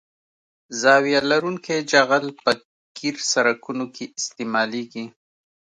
زاویه لرونکی جغل په قیر سرکونو کې استعمالیږي